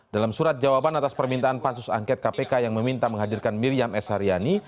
dalam surat jawaban atas permintaan pansus angket kpk yang meminta menghadirkan miriam s haryani